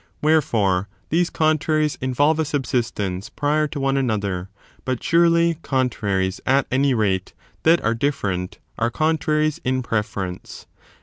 Where fore, these contraries involve a subsistence prior to one another; but, surely, contraries, at any rate, that are dif ferent are contraries in preference.